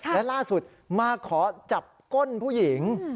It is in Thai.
และล่าสุดมาขอจับก้นผู้หญิง